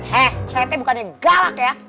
heh saya tuh bukannya galak ya